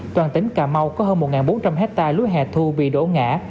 toàn tỉnh cà mau có hơn một bốn trăm linh hectare lúa hẻ thu bị đổ ngã